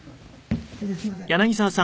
先生すいません」。